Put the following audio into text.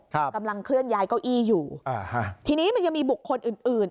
กำลังเคลื่อนย้ายเก้าอี้อยู่อ่าฮะทีนี้มันยังมีบุคคลอื่นอื่น